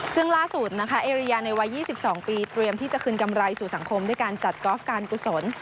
ซึ่งล่าสุดนะคะเอเรียในวัย๒๒ปีเตรียมที่จะคืนกำไรสู่สังคมด้วยการจัดกอล์ฟการกุศล